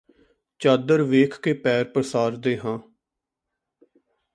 ਚਾਦਰ ਵੇਖ ਕੇ ਪੈਰ ਪਸਾਰਦੇ ਹਾਂ